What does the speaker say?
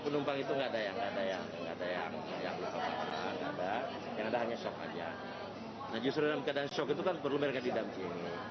nah justru dalam keadaan shock itu kan perlu mereka didampingi